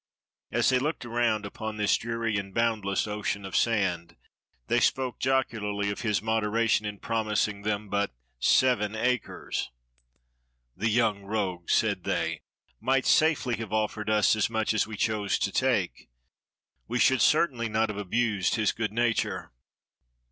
As they looked around upon this dreary and boundless ocean of sand, they spoke jocularly of his moderation in promising them but seven acres. "The young rogue," said they, "might have safely offered us as much as we 215 EGYPT chose to take. We certainly should not have abused his good nature."